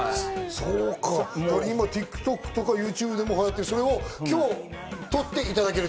今ＴｉｋＴｏｋとかＹｏｕＴｕｂｅで流行って、それを今日撮っていただけると。